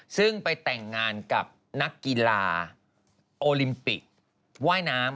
ซึ่งไปแต่งงานกับนักกีฬาโอลิมปิกว่ายน้ำ